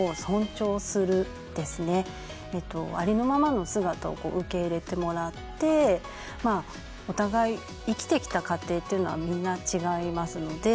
ありのままの姿を受け入れてもらってお互い生きてきた過程というのはみんな違いますので。